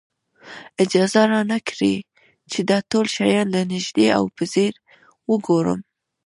اجازه را نه کړي چې دا ټول شیان له نږدې او په ځیر وګورم.